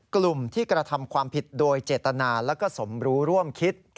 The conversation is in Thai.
กลุ่มที่กระทำความผิดโดยเจตนาและก็สมรู้ร่วมคิด